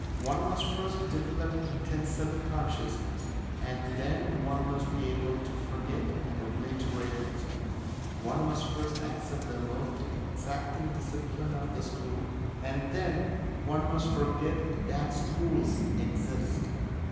One must first develop intense self consciousness, and then one must be able to forget and obliterate himself. One must first accept the most exacting discipline of the school, and then one must forget that schools exist.